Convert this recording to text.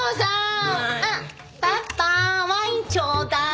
あっパパワインちょうだい。